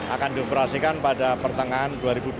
akan dioperasikan pada pertengahan dua ribu dua puluh